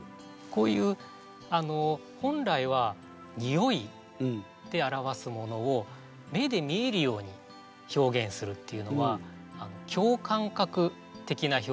こういう本来はにおいで表すものを目で見えるように表現するっていうのは共感覚。